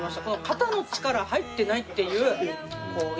肩の力が入ってないっていう。